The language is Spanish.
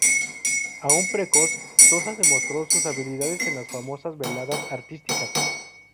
Aún precoz, Sosa demostró sus habilidades en las famosas veladas artísticas.